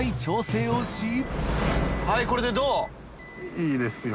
いいですよ